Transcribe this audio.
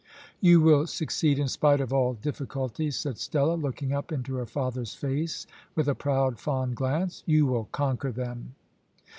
"You will succeed in spite of all difficulties," said Stella, looking up into her father's face with a proud, fond glance; "you will conquer them."